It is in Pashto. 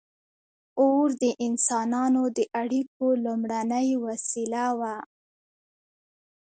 • اور د انسانانو د اړیکو لومړنۍ وسیله وه.